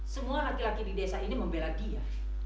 semua laki laki di desa ini membela dia